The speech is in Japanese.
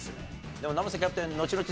でも生瀬キャプテンのちのち